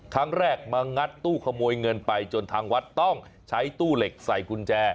ครั้งแรกมางัดตู้ขโมยเงินไปจนทางวัดต้องใช้ตู้เหล็กใส่กุญแจ